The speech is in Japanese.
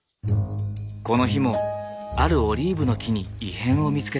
この日もあるオリーブの木に異変を見つけた。